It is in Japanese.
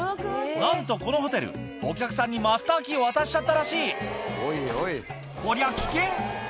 なんとこのホテルお客さんにマスターキーを渡しちゃったらしいこりゃ危険！